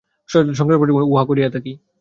সহজাত সংস্কারবশেই উহা করিয়া থাকি।